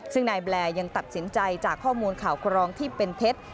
ซึ่งนายแบลยังตัดสินใจจากข้อมูลข่าวครองที่เป็นเท็จ